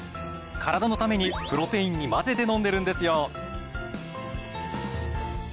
カラダのためにプロテインに混ぜて飲んでるんですよ。